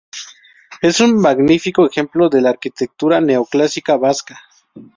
Es un magnífico ejemplo de la arquitectura neoclásica vasca.